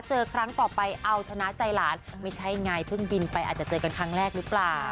เจอครั้งต่อไปเอาชนะใจหลานไม่ใช่ไงเพิ่งบินไปอาจจะเจอกันครั้งแรกหรือเปล่า